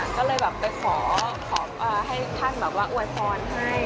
ก็เลยแบบไปขอให้ท่านแบบว่าอวยพรให้